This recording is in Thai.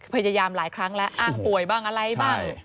พยายามหลายครั้งแล้วอ้างป่วยบ้างอะไรบ้าง